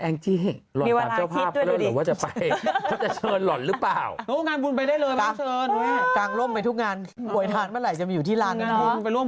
แองค์ที่เห็นร่วมต่อเจ้าภาพก็จะไป